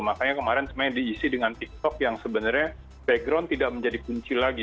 makanya kemarin sebenarnya diisi dengan tiktok yang sebenarnya background tidak menjadi kunci lagi